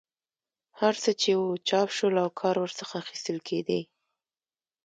هر څه چې وو چاپ شول او کار ورڅخه اخیستل کېدی.